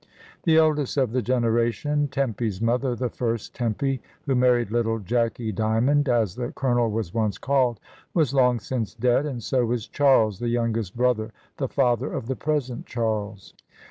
The eldest of the generation, Temp/s mother, the first Tempy, who married little Jacky Dymond, as the Colonel was once called, was long since dead, and so was Charles, the youngest brother, the father of 282 MRS. DYMOND. the present Charles.